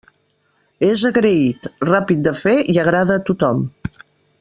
És agraït, ràpid de fer i agrada a tothom.